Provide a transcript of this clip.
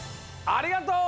ありがとう！